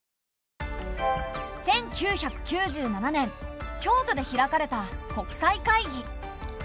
１９９７年京都で開かれた国際会議。